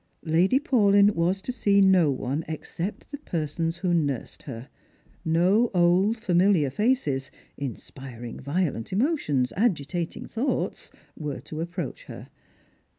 Lady Paulyn was to see no one except the persons who nursed her. No old I'amiliar faces — inspiring violent emotions, agitating thoughts — were to approach her.